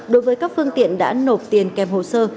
đối với các phương tiện đã nộp tiền kèm hồ sơ